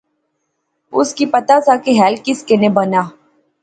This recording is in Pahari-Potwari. اس کی پتا سا کہ ہل کس کنے بنا